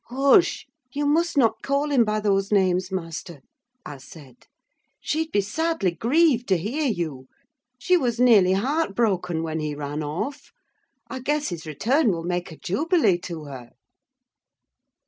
"Hush! you must not call him by those names, master," I said. "She'd be sadly grieved to hear you. She was nearly heartbroken when he ran off. I guess his return will make a jubilee to her."